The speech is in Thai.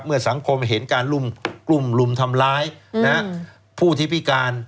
เมื่อสังคมเห็นการกลุ่มลุมทำร้ายผู้ที่พิการ